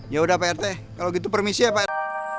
yaudah pak rt kalau gitu permisi ya pak rt